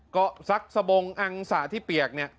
ก็ซักสบงอังสะที่เปียกเนี่ย